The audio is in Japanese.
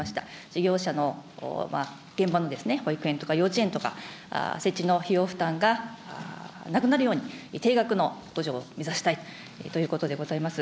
事業者の現場の保育園とか幼稚園とか、設置の費用負担がなくなるように、定額の補助を目指したいということでございます。